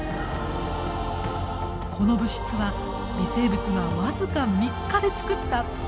この物質は微生物が僅か３日で作ったたんぱく質です。